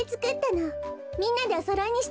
みんなでおそろいにしたのよ。